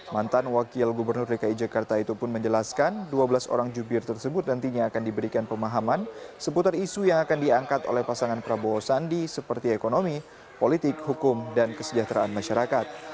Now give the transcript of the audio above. mantan wakil gubernur dki jakarta itu pun menjelaskan dua belas orang jubir tersebut nantinya akan diberikan pemahaman seputar isu yang akan diangkat oleh pasangan prabowo sandi seperti ekonomi politik hukum dan kesejahteraan masyarakat